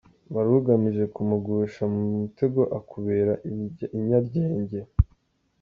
Wari ugamije kumugusha mu mutego akubera inyaryenge.